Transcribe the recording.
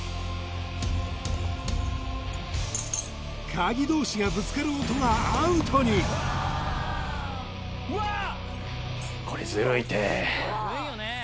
鍵同士がぶつかる音がアウトにうわっ！